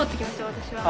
私は。